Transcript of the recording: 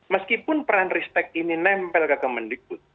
meskipun peran risetek ini nempel ke kementerian likbud